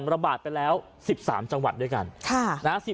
ระบาดไปแล้ว๑๓จังหวัดด้วยกัน